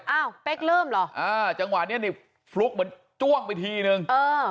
อ้าวเป๊กเริ่มหรอจังหวะนี้ฟลุ๊กเหมือนจ้วงไปทีนึง